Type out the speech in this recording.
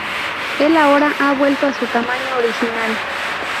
Él ahora ha vuelto a su tamaño original.